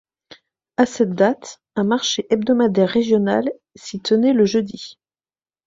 À cette date, un marché hebdomadaire régional s'y tenait le jeudi.